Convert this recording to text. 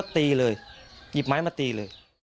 ตีเลยหยิบไม้มาตีเลย